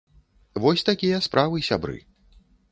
Вось такія справы, сябры.